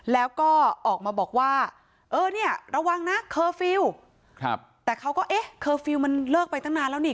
แล้วก็ออกมาบอกว่าเออเนี่ยระวังนะเคอร์ฟิลล์แต่เขาก็เอ๊ะเคอร์ฟิลล์มันเลิกไปตั้งนานแล้วนี่